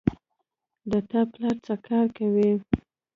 د تا پلار څه کار کوی